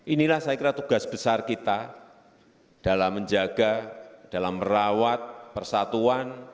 inilah saya kira tugas besar kita dalam menjaga dalam merawat persatuan